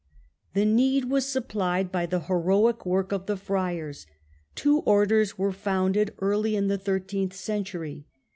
The need was supplied by the heroic work of the Friars. Two orders were founded early in the thirteenth century.